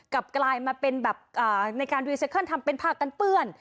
กลับกลายมาเป็นแบบอ่าในการทำเป็นภาพตั้งเปื้อน